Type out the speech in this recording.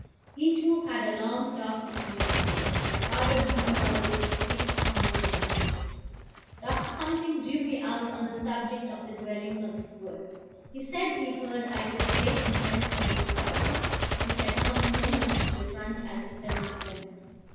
He, too, had a long talk with me afterwards, my father being called away to speak to some one on business. Dr. drew me out on the subject of the dwellings of the poor. He said he heard I took great interest in this question, which had come so much to the front at the present moment.